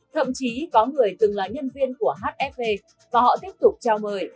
thậm chí có người từng là nhân viên của hsv và họ tiếp tục chào mời dụ dỗ khách hàng bỏ tiền để mua các kỳ nghỉ